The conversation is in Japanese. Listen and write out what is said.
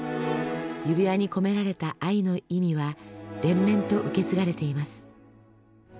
指輪に込められた愛の意味は連綿と受け継がれています。